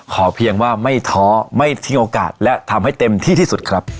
เพียงว่าไม่ท้อไม่ทิ้งโอกาสและทำให้เต็มที่ที่สุดครับ